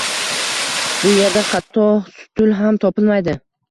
Bu erda xatto stul ham topilmaydi